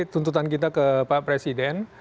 tuntutan kita ke pak presiden